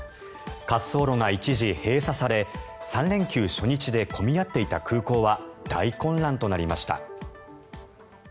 滑走路が一時閉鎖され３連休初日で混み合っていた空港は大混乱となりました。